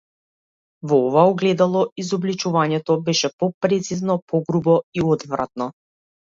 Во ова огледало изобличувањето беше попрецизно, погрубо, и одвратно.